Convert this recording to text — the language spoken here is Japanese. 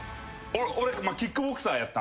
俺キックボクサーやったんす。